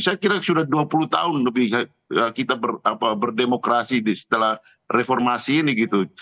saya kira sudah dua puluh tahun lebih kita berdemokrasi setelah reformasi ini gitu